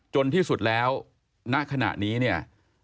จนที่สุดแล้วณขณะนี้เนี่ย